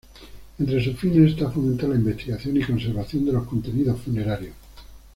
Entre sus fines esta fomentar la investigación y conservación de los contenidos funerarios.